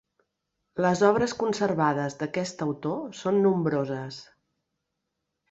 Les obres conservades d'aquest autor són nombroses.